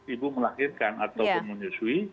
ibu melahirkan atau